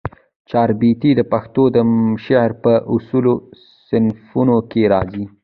چاربیتې د پښتو د شعر په اصیلو صنفونوکښي راځي